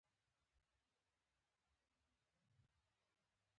که انجلۍ وي، میړه کول یې موخه وي.